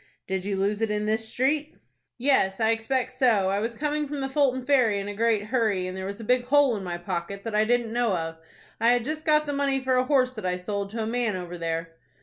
"Did you lose it in this street?" "Yes, I expect so. I was coming from the Fulton Ferry in a great hurry, and there was a big hole in my pocket, that I didn't know of. I had just got the money for a horse that I sold to a man over there."